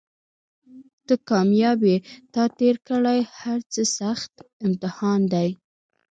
ته کامیاب یې تا تېر کړی تر هرڅه سخت امتحان دی